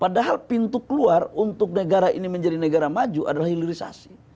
padahal pintu keluar untuk negara ini menjadi negara maju adalah hilirisasi